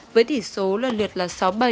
với thủy số lần lượt là sáu bảy hai sáu bảy bảy